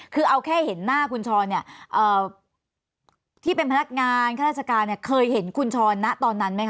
คือเอาแค่เห็นหน้าคุณช้อนเนี่ยที่เป็นพนักงานข้าราชการเนี่ยเคยเห็นคุณช้อนนะตอนนั้นไหมคะ